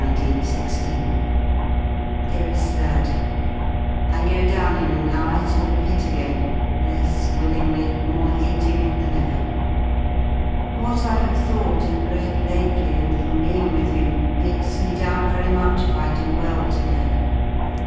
Deare^ Lad, I go down in an hour to the pit again, less willingly, more hating it than ever. What I have thought and read lately and from being with you, makes me doubt very much if I do well to go.